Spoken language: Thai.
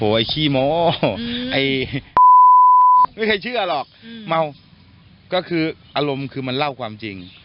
ไอ้ขี้โมไม่เคยเชื่อหรอกเมาก็คืออารมณ์คือมันเล่าความจริง